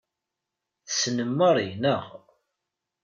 Tessnem Mary, naɣ?